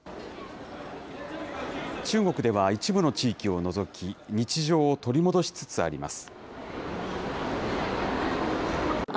中国では一部の地域を除き、日常を取り戻しつつあります。